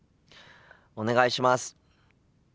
お願いします。